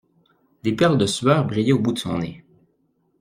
Des perles de sueur brillaient au bout de son nez.